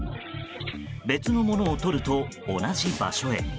別のものを取ると同じ場所へ。